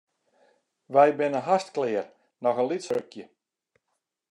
Wy binne hast klear, noch in lyts rukje.